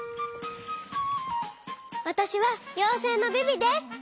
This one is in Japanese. わたしはようせいのビビです！